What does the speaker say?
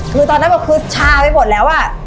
คือตอนนั้นบอกคือชาไปหมดแล้วอะ